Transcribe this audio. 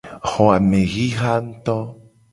Xo a me xixa nguto.